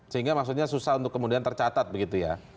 sehingga maksudnya susah untuk kemudian tercatat begitu ya